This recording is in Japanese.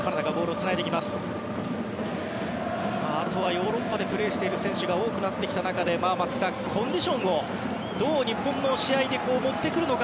ヨーロッパでプレーしている選手が多くなってきた中でコンディションをどう日本の試合で持ってくるのか